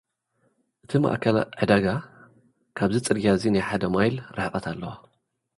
እቲ ማእከል ዕዳጋ፡ ካብዚ ጽርግያ'ዚ ናይ ሓደ ማይል ርሕቐት ኣለዎ።